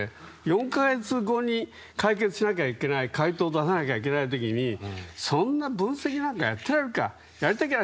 ４か月後に解決しなきゃいけない回答を出さなきゃいけない時にそんな分析なんてやってられるかやりたきゃ